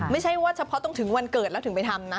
ไม่ใช่ว่าเฉพาะต้องถึงวันเกิดแล้วถึงไปทำนะ